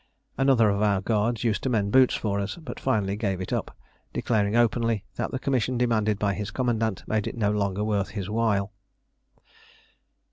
Another of our guards used to mend boots for us, but finally gave it up, declaring openly that the commission demanded by his commandant made it no longer worth his while.